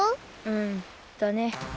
うんだね。